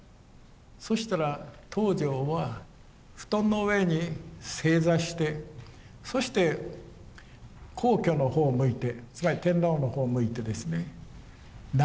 そしたら東條は布団の上に正座してそして皇居の方を向いてつまり天皇の方を向いてですね泣いてる。